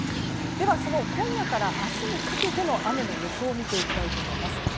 ではその今夜から明日にかけての雨の予報を見ていきたいと思います。